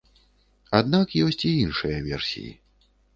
Аднак ёсць і іншыя версіі.